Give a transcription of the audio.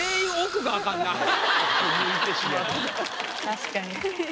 確かに。